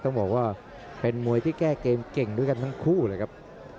ต้องบอกว่าเป็นมวยที่แก้เกมเก่งด้วยกันทั้งคู่เลยครับ